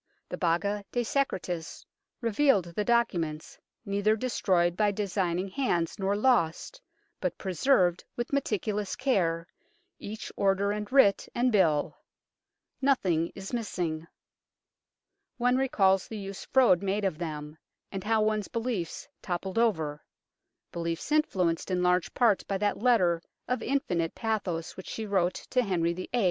The Baga de Secretis revealed the documents, neither destroyed by designing hands nor lost, but preserved with meticulous care, each order and writ and bill. Nothing is missing. One recalls the use Froude made of them, and how one's beliefs toppled over beliefs influenced in large part by that letter of infinite pathos which she wrote to Henry VIII.